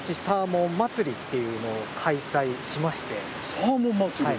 サーモン祭り。